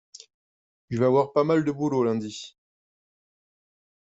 Je vais avoir pas mal de boulot lundi.